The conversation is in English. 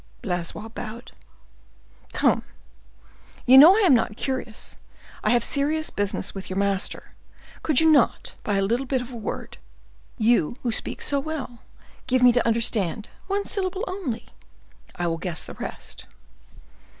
Blaisois bowed. "Come, you know I am not curious—I have serious business with your master. Could you not, by a little bit of a word—you who speak so well—give me to understand—one syllable only—I will guess the rest."